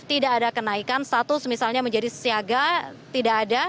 tidak ada kenaikan status misalnya menjadi siaga tidak ada